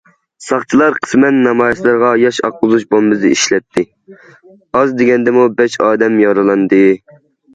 ساقچىلار قىسمەن نامايىشچىلارغا ياش ئاققۇزغۇچ بومبىسى ئىشلەتتى، ئاز دېگەندىمۇ بەش ئادەم يارىلاندى.